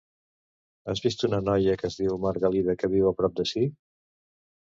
Has vist una noia que es diu Margalida, que viu aprop d'ací?